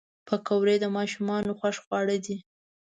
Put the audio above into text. پکورې د ماشومانو خوښ خواړه دي